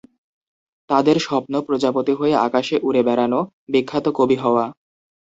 তাদের স্বপ্ন প্রজাপতি হয়ে আকাশে উড়ে বেড়ানো, বিখ্যাত কবি হওয়া।